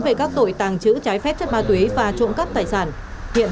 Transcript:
về các tội tàng trữ trái phép chất ma túy và trộm cắp tài sản